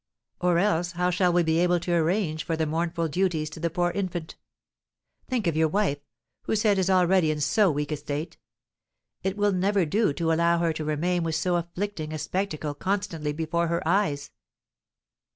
Or else how shall we be able to arrange for the mournful duties to the poor infant? Think of your wife, whose head is already in so weak a state. It will never do to allow her to remain with so afflicting a spectacle constantly before her eyes."